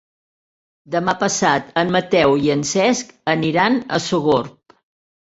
Demà passat en Mateu i en Cesc aniran a Sogorb.